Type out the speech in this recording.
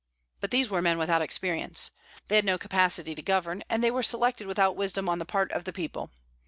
But these were men without experience. They had no capacity to govern, and they were selected without wisdom on the part of the people.